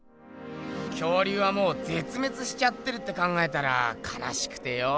恐竜はもうぜつめつしちゃってるって考えたらかなしくてよ。